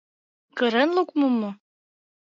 Кырен лукмым мо?